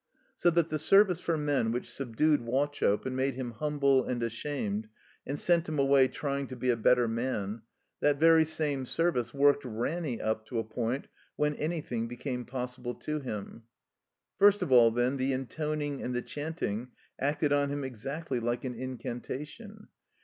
So that the >«>4 THE COMBINED MAZE Service for Men wtech subdued Wauchope and made him humble and asjiamed and sent him away trying to be a better man, that very same Service worked Ranny up to a poixkt when anjrthing became possible to him. First of all, then, the intoning and the chanting acted on him exactly like an incantation.